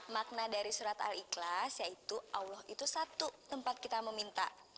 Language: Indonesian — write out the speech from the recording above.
makna dari surat al ikhlas yaitu allah itu satu tempat kita meminta